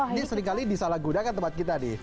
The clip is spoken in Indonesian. ini seringkali disalahgudakan tempat kita di